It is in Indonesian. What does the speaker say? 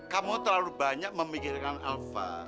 kamu terlalu banyak memikirkan alfa